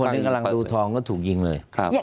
หนึ่งกำลังดูทองก็ถูกยิงเลย